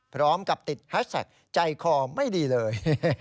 พร้อมกับติดแฮชแท็กใจคอไม่ดีเลย